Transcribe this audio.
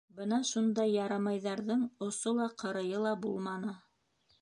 Бына шундай «ярамай»ҙарҙың осо ла, ҡырыйы ла булманы.